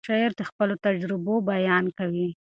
شاعر د خپلو تجربو بیان کوي.